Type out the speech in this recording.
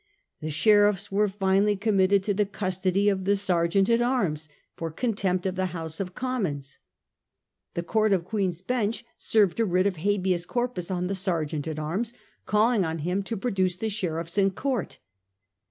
The sheriffs were finally com mitted to the custody of the sergeant at arms for contempt of the House of Commons. The Court of Queen's Bench served a writ of habeas corpus on the sergeant at arms calling on him to produce the sheriffs in court.